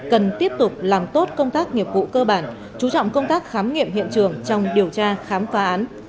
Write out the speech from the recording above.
cần tiếp tục làm tốt công tác nghiệp vụ cơ bản chú trọng công tác khám nghiệm hiện trường trong điều tra khám phá án